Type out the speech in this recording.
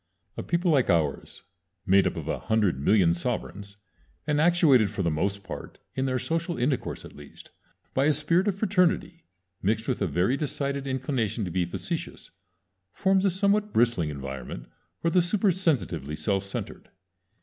A people like ours, made up of a hundred million sovereigns, and actuated for the most part, in their social intercourse at least, by a spirit of fraternity, mixed with a very decided inclination to be facetious, forms a somewhat bristling environment for the supersensitively self centered.